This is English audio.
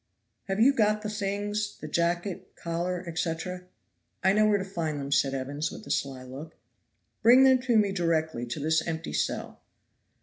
"Have you got the things, the jacket, collar, etc.?" "I know where to find them," said Evans with a sly look. "Bring them to me directly to this empty cell."